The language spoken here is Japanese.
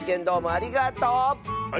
ありがとう！